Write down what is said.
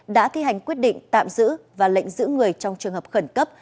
đã thi hành quyết định tạm giữ và lệnh giữ người trong trường hợp khẩn cấp